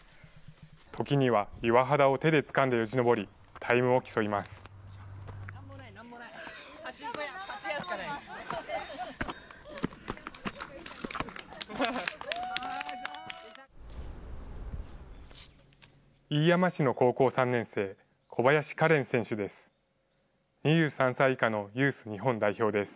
時には岩肌を手でつかんでよじ登り、タイムを競います。